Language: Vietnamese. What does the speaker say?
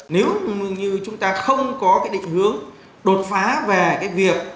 nếu như chúng ta không có định hướng đột phá về việc